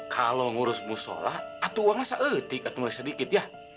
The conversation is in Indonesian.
kalau ngurus mushollah atuh uangnya seetik atau sedikit ya